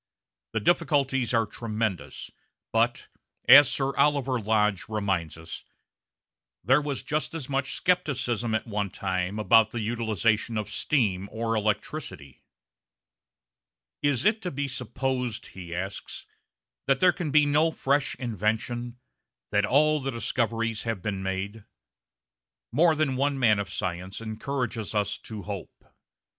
The difficulties are tremendous, but, as Sir Oliver Lodge reminds us, there was just as much scepticism at one time about the utilisation of steam or electricity. "Is it to be supposed," he asks, "that there can be no fresh invention, that all the discoveries have been made?" More than one man of science encourages us to hope.